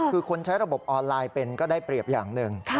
คือคนใช้ระบบออนไลน์เป็นก็ได้เปรียบอย่างหนึ่ง